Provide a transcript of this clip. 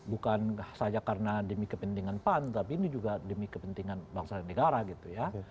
bukan saja karena demi kepentingan pan tapi ini juga demi kepentingan bangsa dan negara gitu ya